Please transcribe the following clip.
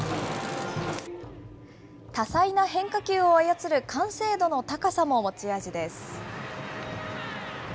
多彩な変化球を操る完成度の高さも持ち味です。